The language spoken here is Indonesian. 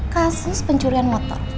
kasus pencurian motor